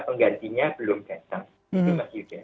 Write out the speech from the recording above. penggantinya belum datang